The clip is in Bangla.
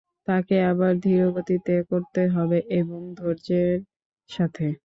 তাকে আরো ধীরগতিতে করতে হবে, এবং ধৈর্যের সাথে।